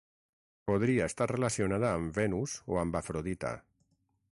Podria estar relacionada amb Venus o amb Afrodita.